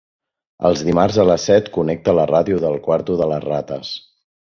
Els dimarts a les set connecta la ràdio del quarto de les rates.